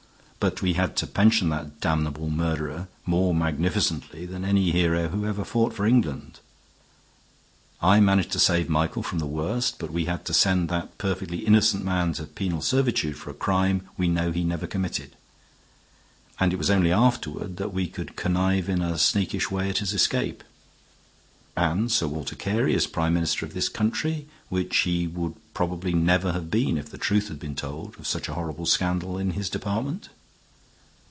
But we had to pension that damnable murderer more magnificently than any hero who ever fought for England. I managed to save Michael from the worst, but we had to send that perfectly innocent man to penal servitude for a crime we know he never committed, and it was only afterward that we could connive in a sneakish way at his escape. And Sir Walter Carey is Prime Minister of this country, which he would probably never have been if the truth had been told of such a horrible scandal in his department.